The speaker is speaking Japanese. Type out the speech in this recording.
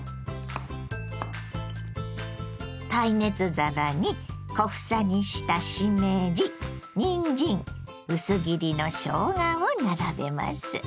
耐熱皿に小房にしたしめじにんじん薄切りのしょうがを並べます。